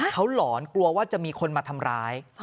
เขาหลอนกลัวว่าจะมีคนมาทำร้าย